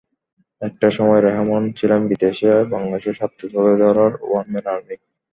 একটা সময় রেহমান ছিলেন বিদেশে বাংলাদেশের স্বার্থ তুলে ধরার ওয়ান ম্যান আর্মি।